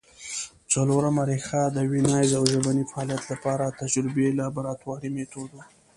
څلورمه ریښه د ویناييز او ژبني فعالیت له پاره تجربوي لابراتواري مېتود وو